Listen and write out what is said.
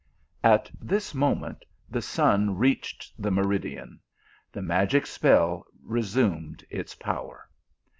At this moment the sun reached the meridian ; the magic spell resumed its power.